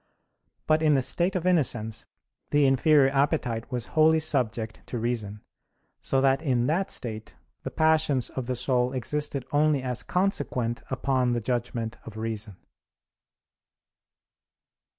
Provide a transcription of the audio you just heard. But in the state of innocence the inferior appetite was wholly subject to reason: so that in that state the passions of the soul existed only as consequent upon the judgment of reason.